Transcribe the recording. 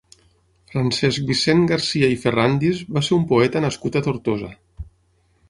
Francesc Vicent Garcia i Ferrandis va ser un poeta nascut a Tortosa.